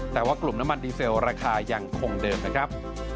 แต่ว่ากลุ่มน้ำมันดีเซลราคายังคงเดิมนะครับ